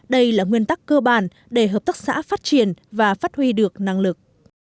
đây là nguyên tắc cơ bản để hợp tác xã phát triển và phát huy được năng lực